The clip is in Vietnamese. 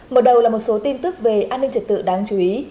mở đầu là một số tin tức về an ninh trật tự đáng chú ý